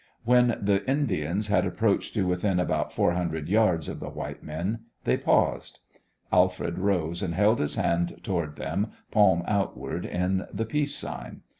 When the Indians had approached to within about four hundred yards of the white men they paused. Alfred rose and held his hand toward them, palm outward, in the peace sign.